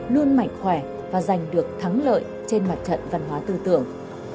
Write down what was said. luôn mạnh khỏe và giành được thắng lợi trên mặt trận văn hóa tư tưởng